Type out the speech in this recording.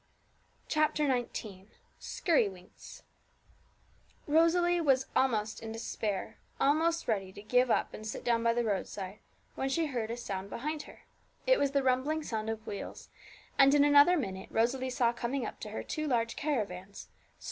CHAPTER XIX SKIRRYWINKS Rosalie was almost in despair, almost ready to give up and sit down by the roadside, when she heard a sound behind her. It was the rumbling sound of wheels, and in another minute Rosalie saw coming up to her two large caravans, so [Illustration: A REST BY THE WAYSIDE.